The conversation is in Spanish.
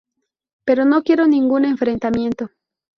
No quiero ningún enfrentamiento.